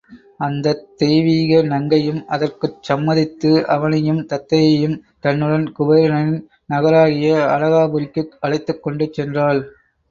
அந்தத் தெய்வீக நங்கையும் அதற்குச் சம்மதித்து அவனையும் தத்தையையும் தன்னுடன் குபேரனின் நகராகிய அளகாபுரிக்கு அழைத்துக்கொண்டு சென்றாள்.